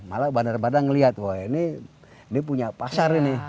malah bandar bandar ngeliat wah ini punya pasar ini